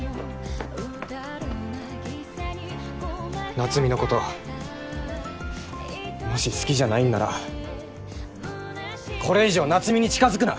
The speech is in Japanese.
夏海のこともし好きじゃないんならこれ以上夏海に近づくな！